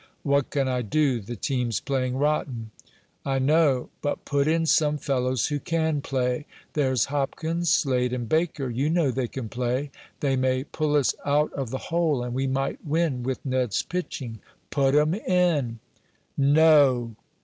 "What can I do? The team's playing rotten." "I know. But put in some fellows who can play. There's Hopkins, Slade and Baker. You know they can play. They may pull us out of the hole and we might win with Ned's pitching. Put 'em in!" "No!"